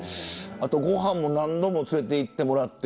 ご飯も何度も連れて行ってもらって。